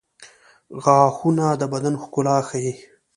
• غاښونه د بدن ښکلا ښيي.